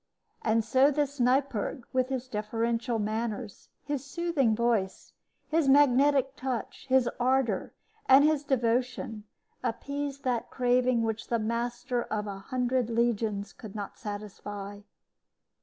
And so this Neipperg, with his deferential manners, his soothing voice, his magnetic touch, his ardor, and his devotion, appeased that craving which the master of a hundred legions could not satisfy.